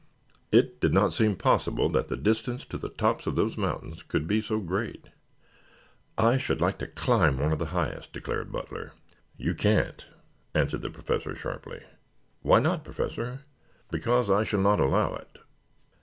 It did not seem possible that the distance to the tops of those mountains could be so great. "I should like to climb one of the highest," declared Butler. "You can't," answered the Professor sharply. "Why not, Professor?" "Because I shall not allow it."